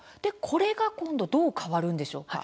これが今度どう変わるんでしょうか？